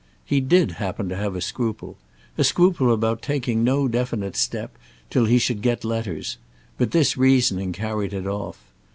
He did happen to have a scruple—a scruple about taking no definite step till he should get letters; but this reasoning carried it off.